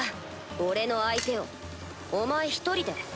俺の相手をお前１人で。